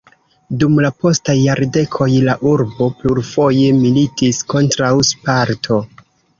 Dum la postaj jardekoj la urbo plurfoje militis kontraŭ Sparto.